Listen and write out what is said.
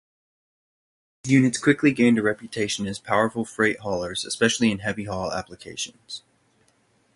These units quickly gained a reputation as powerful freight haulers, especially in heavy-haul applications.